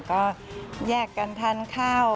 ก็แยกกันทานข้าว